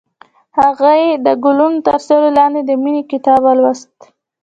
هغې د ګلونه تر سیوري لاندې د مینې کتاب ولوست.